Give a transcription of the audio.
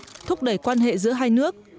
để thúc đẩy quan hệ giữa hai nước